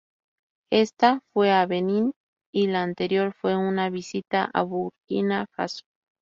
Esta fue a Benín y la anterior fue una visita a Burkina Faso.